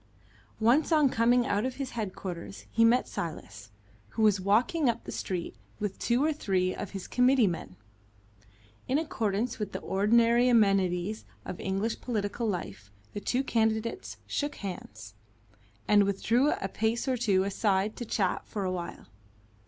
Once on coming out of his headquarters he met Silas, who was walking up the street with two or three of his committee men. In accordance with the ordinary amenities of English political life, the two candidates shook hands, and withdrew a pace or two aside to chat for a while.